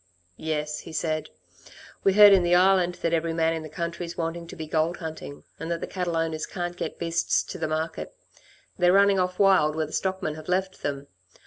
"Yes," he said, "we heard in the Island that every man in the country's wanting to be gold hunting, and that the cattle owners can't get beasts to the market. They're running off wild, where the stockmen have left them.